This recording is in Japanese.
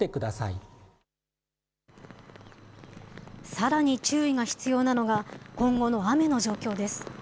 さらに注意が必要なのが、今後の雨の状況です。